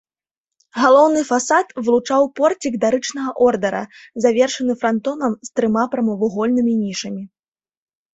Галоўны фасад вылучаў порцік дарычнага ордара, завершаны франтонам, з трыма прамавугольнымі нішамі.